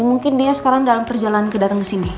mungkin dia sekarang dalam perjalanan ke datang kesini